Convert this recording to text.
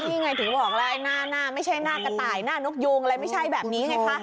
นี่ไงถึงบอกแล้วไอ้หน้าไม่ใช่หน้ากระต่ายหน้านกยูงอะไรไม่ใช่แบบนี้ไงคะ